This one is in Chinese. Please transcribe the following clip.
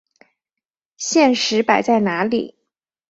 现实摆在哪里！